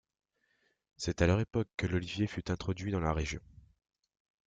C'est à leur époque que l'olivier fut introduit dans la région.